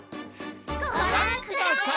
ごらんください！